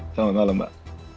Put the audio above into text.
selamat malam mbak